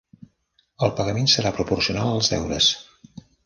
El pagament serà proporcional als deures.